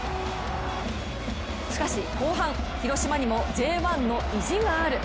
しかし後半、広島にもＪ１の意地がある。